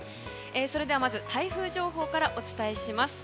それでは、まず台風情報からお伝えします。